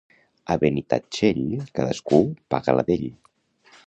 A Benitatxell, cadascú paga la d'ell